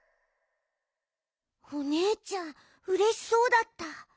おねえちゃんうれしそうだった。